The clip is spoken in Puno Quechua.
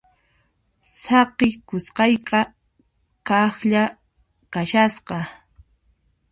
Saqikusqayqa kaqlla kashasqa.